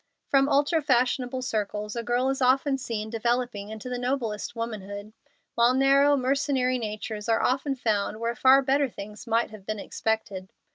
From ultra fashionable circles a girl is often seen developing into the noblest womanhood; while narrow, mercenary natures are often found where far better things might have been expected.